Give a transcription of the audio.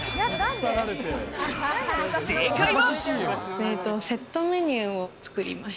正解は。